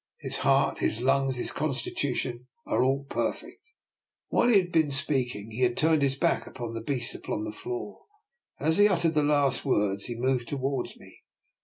His heart, his lungs, his constitution, all are perfect." While he had been speaking he had turned his back upon the beast upon the floor, and DR. NIKOLA'S EXPERIMENT. 269 as he uttered the last words he moved to wards me.